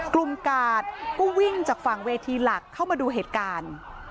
กาดก็วิ่งจากฝั่งเวทีหลักเข้ามาดูเหตุการณ์